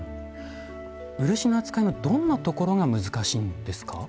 漆の扱いのどんなところが難しいんですか？